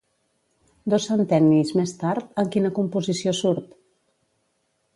Dos centennis més tard, en quina composició surt?